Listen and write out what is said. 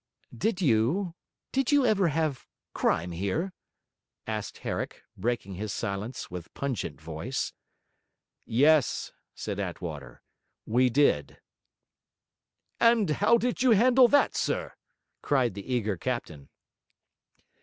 'Did you did you ever have crime here?' asked Herrick, breaking his silence with a pungent voice. 'Yes,' said Attwater, 'we did.' 'And how did you handle that, sir?' cried the eager captain.